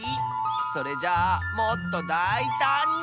それじゃあもっとだいたんに。